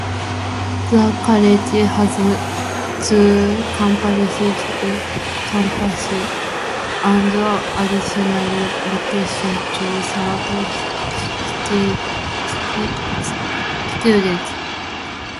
The college has two comprehensive campuses and additional locations to serve students.